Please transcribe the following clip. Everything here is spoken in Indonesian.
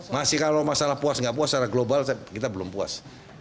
masih kalau masalah puas nggak puas secara global kita belum puas